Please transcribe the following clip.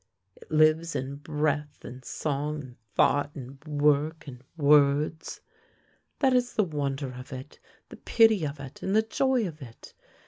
It lives in breath, and song, and thought, and work, and words. That is the wonder of it, the pity of it, and the joy of it.